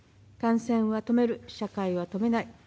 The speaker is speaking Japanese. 感染は止める、社会は止めない。